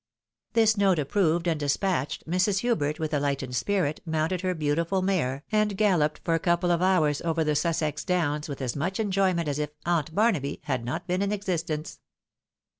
This note approved and despatched, Mrs.' Hubert, with a lightened spirit, mounted her beautiful mare, and galloped for a couple of hours over the Sussex downs with as much enjoyment as if " Aunt Bamaby " had not been in existence.